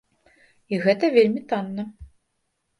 І гэта вельмі танна.